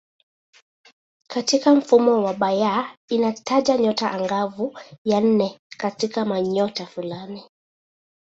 Katika mfumo wa Bayer inataja nyota angavu ya nne katika kundinyota fulani.